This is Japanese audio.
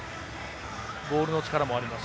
ボールの力もあります。